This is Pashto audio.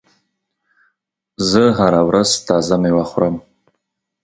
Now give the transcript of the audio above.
زه هره ورځ تازه مېوه خورم.